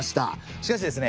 しかしですね